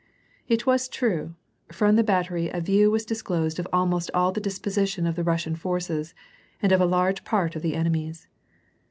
It was true : from the battery a view was disclosed of almost all the disposition of the Russian forces, and of a large part of the enemy's.